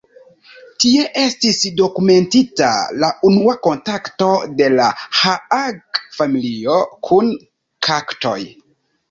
Tie estis dokumentita la unua kontakto de la Haage-familio kun kaktoj.